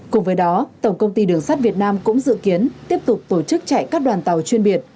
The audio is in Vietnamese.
cùng với đó tổng công ty đường sắt việt nam cũng dự kiến tiếp tục tổ chức chạy các đoàn tàu chuyên biệt